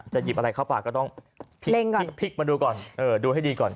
หยิบอะไรเข้าปากก็ต้องพลิกมาดูก่อนดูให้ดีก่อน